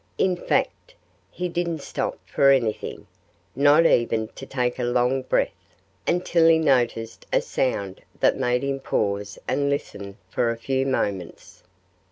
In fact, he didn't stop for anything not even to take a long breath until he noticed a sound that made him pause and listen for a few moments.